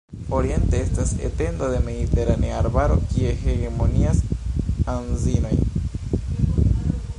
Oriente estas etendo de mediteranea arbaro, kie hegemonias anzinoj.